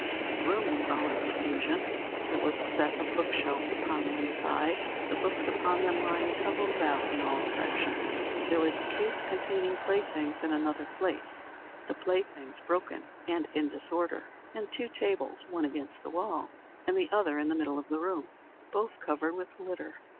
The room was all in confusion. There was a set of book shelves upon one side, the books upon them lying tumbled about in all directions. There was a case containing playthings in another place, the playthings broken and in disorder; and two tables, one against the wall, and the other in the middle of the room, both covered with litter.